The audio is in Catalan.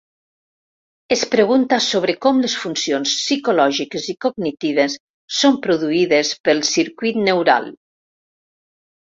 Es pregunta sobre com les funcions psicològiques i cognitives són produïdes pel circuit neural.